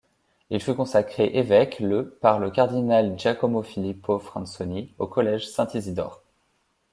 Il fut consacré évêque le par le cardinal Giacomo Filippo Fransoni au collège Saint-Isidore.